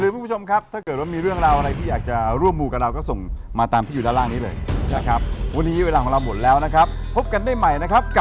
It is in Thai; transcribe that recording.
โปรดติดตามตอนต่อไป